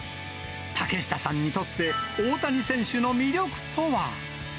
竹下さんにとって、大谷選手の魅力とは。